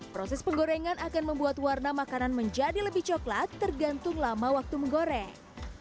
proses penggorengan akan membuat warna makanan menjadi lebih coklat tergantung lama waktu menggoreng